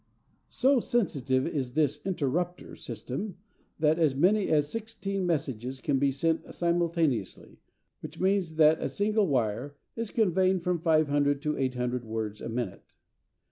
So sensitive is this "interrupter" system that as many as sixteen messages can be sent simultaneously, which means that a single wire is conveying from 500 to 800 words a minute.